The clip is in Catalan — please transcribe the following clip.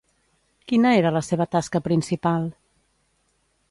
Quina era la seva tasca principal?